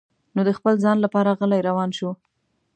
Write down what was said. نو د خپل ځان لپاره غلی روان شو.